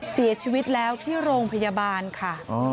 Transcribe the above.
เสียชีวิตแล้วที่โรงพยาบาลค่ะ